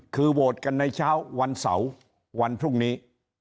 คือโหวตกันในเช้าวันเสาร์วันพรุ่งนี้